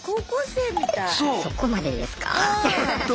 そこまでですか？